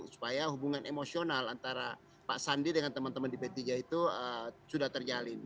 supaya hubungan emosional antara pak sandi dengan teman teman di p tiga itu sudah terjalin